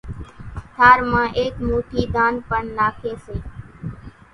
ٿار مان ايڪ موٺي ڌان پڻ ناکي سي